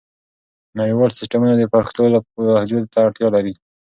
نړیوال سیسټمونه د پښتو لهجو ته اړتیا لري.